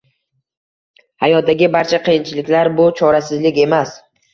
Hayotdagi barcha qiyinchiliklar - bu chorasizlik emas.